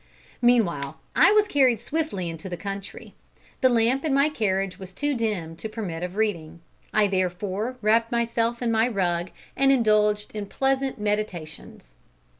Meanwhile I was carried swiftly into the country. The lamp in my carriage was too dim to permit of reading; I therefore wrapped myself in my rug and indulged in pleasant meditations.